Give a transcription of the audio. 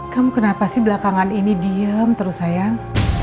kamu kenapa sih belakangan ini diem terus sayang